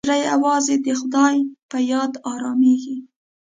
زړه یوازې د خدای په یاد ارامېږي.